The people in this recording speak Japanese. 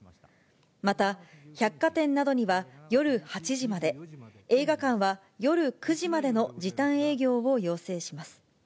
また、百貨店などには夜８時まで、映画館は夜９時までの時短営業を要請します。